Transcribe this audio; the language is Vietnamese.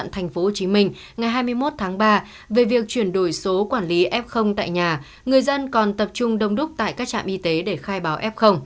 hai mươi một tháng ba về việc truyền đổi số quản lý f tại nhà người dân còn tập trung đông đúc tại các trạm y tế để khai báo f